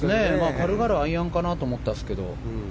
軽々、アイアンかなと思ったんですけど